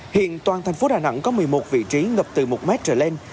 hiện toàn thành phố đà nẵng có một mươi một vị trí ngập từ một mét trở lên